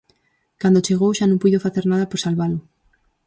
Cando chegou, xa non puido facer nada por salvalo.